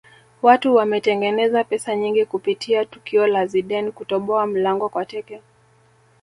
watu wametengeneza pesa nyingi kupitia tukio la zidane kutoboa mlango kwa teke